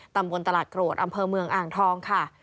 ตำบลตลาดโกรธอำเภอเมืองอ่างทองค่ะ